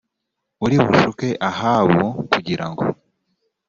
uri bushuke ahabu kugira ngo